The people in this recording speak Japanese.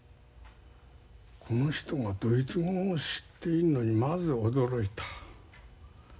この人がドイツ語を知っているのにまず驚いた。